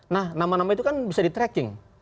nah nama nama itu kan bisa di tracking